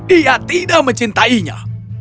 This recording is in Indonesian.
dia tidak mencintainya